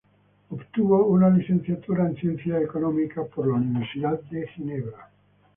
Obtuvo una licenciatura en ciencias económicas de la Universidad de Ginebra.